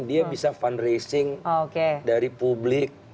dia bisa fundraising dari publik